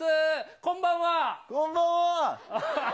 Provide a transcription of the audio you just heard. こんばんは。